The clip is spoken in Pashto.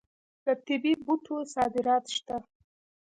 د طبي بوټو صادرات شته.